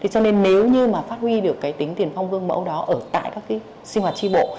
cho nên nếu như phát huy được tính tiền phong vương mẫu đó ở tại các sinh hoạt tri bộ